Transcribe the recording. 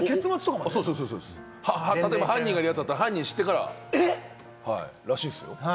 例えば犯人いるやつだったら、犯人を知ってかららしいっすよ。